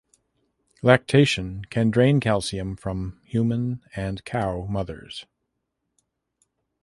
Lactation can drain calcium from human and cow mothers.